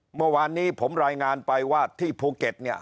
เมื่อวานนี้ผมรายงานไปว่าที่ภูเก็ตเนี่ย